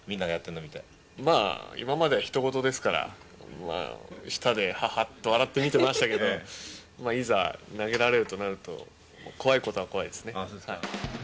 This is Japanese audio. まあ、今まではひと事ですから、下で、ははっと笑って見てましたけど、いざ投げられるとなると、怖いことは怖いですね。